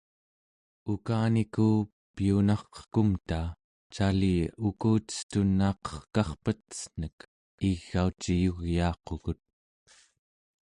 ukaniku piyunarqekumta cali ukucetun naaqerkarpecen̄ek igauciyugyaaqukut.